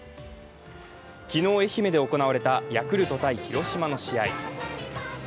昨日愛媛で行われたヤクルト×広島の試合。